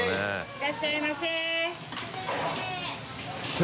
いらっしゃいませ。